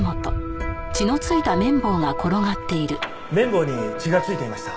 麺棒に血が付いていました。